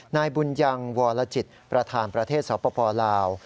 นายบุญยังวรจิตประธานประเทศสปลาว